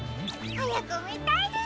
はやくみたいです！